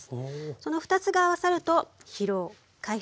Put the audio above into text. その２つが合わさると疲労回復